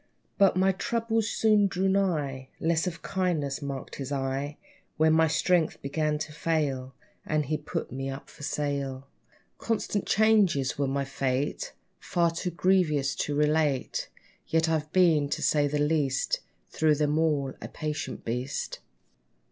But my troubles soon drew nigh: Less of kindness marked his eye, When my strength began to fail; And he put me off at sale. Constant changes were my fate, Far too grievous to relate. Yet I've been, to say the least, Through them all a patient beast.